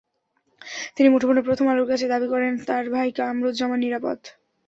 তিনি মুঠোফোনে প্রথম আলোর কাছে দাবি করেন, তাঁর ভাই কামারুজ্জামান নিরপরাধ।